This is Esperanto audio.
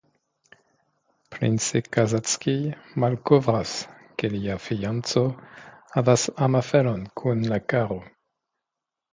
Prince Kasatskij malkovras ke lia fianĉo havas amaferon kun la caro.